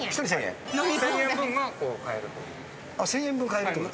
１０００円分が買えるという。